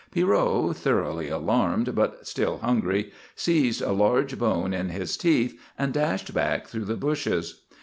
Pierrot, thoroughly alarmed but still hungry, seized a large bone in his teeth and dashed back through the bushes.